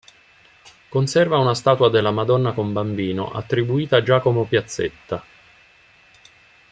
Conserva una statua della "Madonna con Bambino" attribuita a Giacomo Piazzetta.